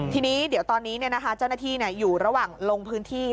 ทีนี้เดี๋ยวตอนนี้เจ้าหน้าที่อยู่ระหว่างลงพื้นที่